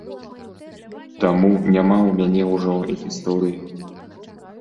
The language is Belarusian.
Таму няма ў мяне ўжо гісторыі.